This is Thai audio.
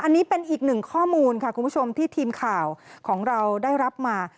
อันนี้เป็นอีกหนึ่งข้อมูลค่ะคุณผู้ชมที่ทีมข่าวของเราได้รับมา